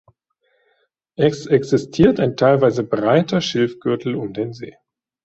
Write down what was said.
Es existiert ein teilweise breiter Schilfgürtel um den See.